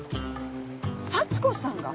幸子さんが？